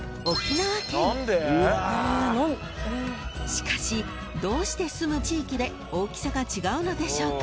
［しかしどうしてすむ地域で大きさが違うのでしょうか？］